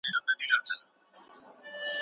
که څېړونکی بصیریت ولري ښه شننه کوي.